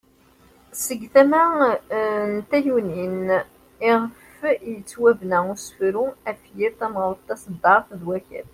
Seg tama n tayunin iɣef yettwabena usefru, afyir, tameɣrut ,taseddart ,d wakat.